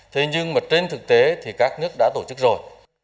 thế nhưng mà trên thực tế thì các nước đã tổ chức rồi